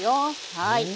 はい。